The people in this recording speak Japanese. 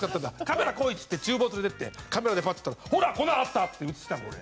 「カメラ来い！」っつって厨房連れていってカメラでパッて撮ったら「ほら粉あった！」って映したの俺。